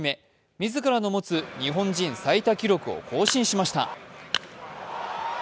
自らの持つ日本人最多記録を更新しました。